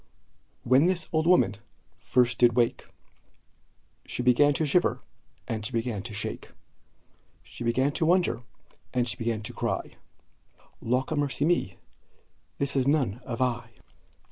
When this old woman first did wake, She began to shiver, and she began to shake; She began to wonder, and she began to cry "Lawkamercyme, this is none of I!"